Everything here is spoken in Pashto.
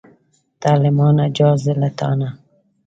ته له مانه جار، زه له تانه.